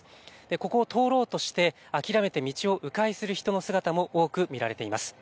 ここを通ろうとして諦めて道をう回する人の姿も多く見られています。